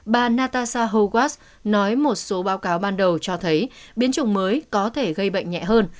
bà natasha hau quát nói một số báo cáo ban đầu cho thấy biến chủng mới có thể gây bệnh nhẹ hơn